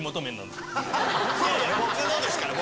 いやいや僕のですから！